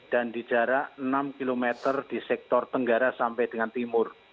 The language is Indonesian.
dan di jarak enam km di sektor tenggara sampai dengan timur